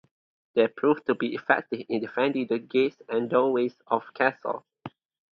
They proved to be effective in defending the gates and doorways of castles.